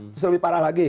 terus lebih parah lagi